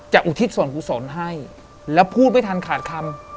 อุทิศส่วนกุศลให้แล้วพูดไม่ทันขาดคำ